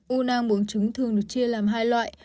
u nang bóng trứng thường được chia làm hai loại